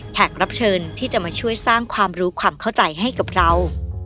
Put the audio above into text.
รับเชิญที่จะมาช่วยสร้างความรู้ความเข้าใจให้กับเรา